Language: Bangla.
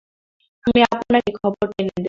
আমি আপনাকে খবরটা এনে দেব।